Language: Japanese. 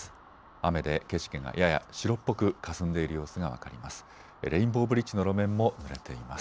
雨で景色がやや白っぽくかすんでいる様子が分かります。